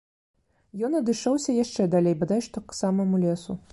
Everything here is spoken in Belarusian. Ён адышоўся яшчэ далей, бадай што к самаму лесу.